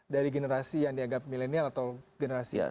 dari generasi yang dianggap milenial atau generasi kecil ini